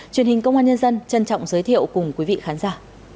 truyền hình công an nhân dân trân trọng giới thiệu cùng quý vị khán giả